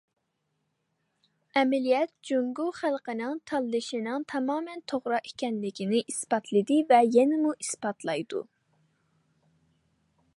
ئەمەلىيەت جۇڭگو خەلقىنىڭ تاللىشىنىڭ تامامەن توغرا ئىكەنلىكىنى ئىسپاتلىدى ۋە يەنىمۇ ئىسپاتلايدۇ.